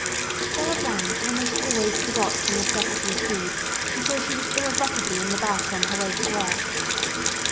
Sarah Brown almost always forgot the necessity of food until she was irrevocably in the 'bus on her way to work.